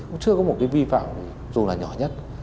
cũng chưa có một cái vi phạm dù là nhỏ nhất